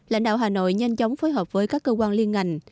lãnh đạo hà nội nhanh chóng phối hợp với các cơ quan liên ngành